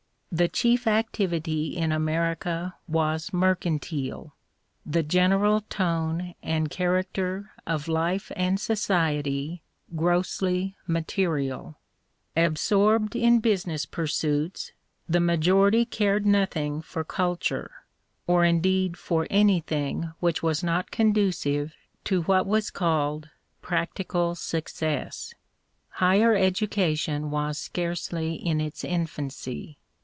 The chief activity in America was mercantile, the general tone and character of life and society grossly material. Absorbed in busi ness pursuits, the majority cared nothing for culture, or indeed for anything which was not EMERSON 141 conducive to what was called practical success. Higher education was scarcely in its infancy.